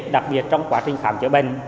đặc biệt trong quá trình khám chữa bệnh